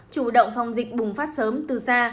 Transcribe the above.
chủ động phòng dịch bùng phát sớm từ xa